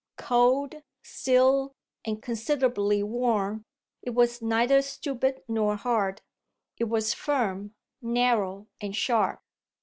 Cold, still, and considerably worn, it was neither stupid nor hard it was firm, narrow and sharp.